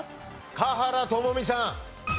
華原朋美さん。